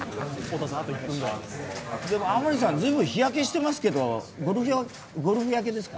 甘利さん、随分日焼けしていますけど、ゴルフ焼けですか？